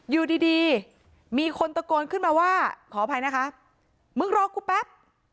อยู่ดีดีมีคนตะโกนขึ้นมาว่าขออภัยนะคะมึงรอกูแป๊บ